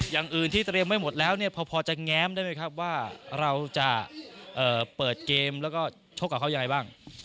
อย่างอื่นที่เตรียมไว้หมดแล้วเนี่ยพอจะแง้มได้ไหมครับว่าเราจะเปิดเกมแล้วก็ชกกับเขายังไงบ้าง